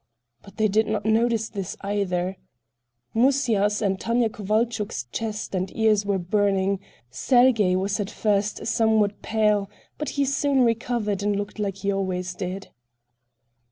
But they did not notice this, either. Musya's and Tanya Kovalchuk's cheeks and ears were burning; Sergey was at first somewhat pale, but he soon recovered and looked as he always did.